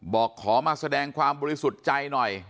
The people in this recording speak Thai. บอกขอมาแสดงความบริสุทธิ์ใจหน่อย